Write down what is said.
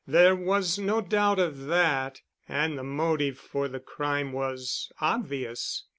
There was no doubt of that, and the motive for the crime was obvious....